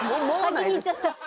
先に言っちゃった